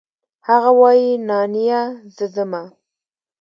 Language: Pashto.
هغه وايي نانيه زه ځمه.